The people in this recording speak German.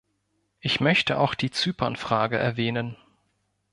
Ich möchte auch die Zypern-Frage erwähnen.